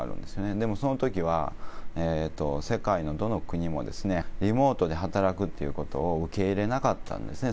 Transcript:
でもそのときは、世界のどの国も、リモートで働くってことを受け入れなかったんですね。